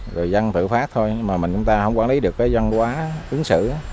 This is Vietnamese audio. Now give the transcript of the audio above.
người dân tự phát thôi mà mình chúng ta không quản lý được cái văn hóa ứng xử